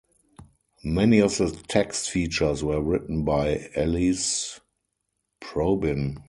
Many of the text features were written by Elise Probyn.